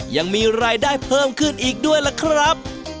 ยังมีรายได้เพิ่มขึ้นอีกด้วยล่ะครับ